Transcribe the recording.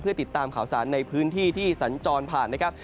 ติดตามข่าวสารในพื้นที่ที่สัญจรผ่านนะครับ